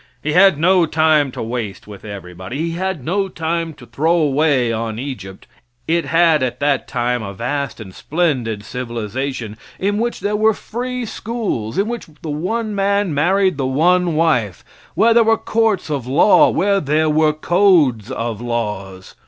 He had no time to waste with everybody. He had no time to throw away on Egypt. It had at that time a vast and splendid civilization, in which there were free schools; in which the one man married the one wife; where there were courts of law; where there were codes of laws.